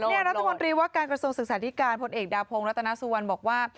นี่นัฐพลังตรีว่าการกระทรวงศึกษาที่การผลเอกดาพงศ์รัตนาซวรบอกว่า